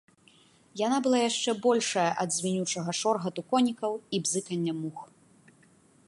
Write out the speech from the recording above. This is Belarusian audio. Яна была яшчэ большая ад звінючага шоргату конікаў і бзыкання мух.